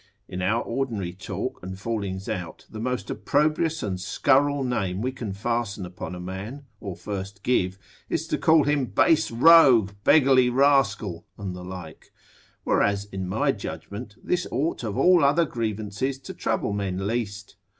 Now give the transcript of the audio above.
In our ordinary talk and fallings out, the most opprobrious and scurrile name we can fasten upon a man, or first give, is to call him base rogue, beggarly rascal, and the like: Whereas in my judgment, this ought of all other grievances to trouble men least.